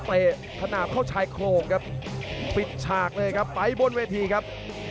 ขนาดเข้าชายโครงครับปิดฉากเลยครับไปบนเวทีครับ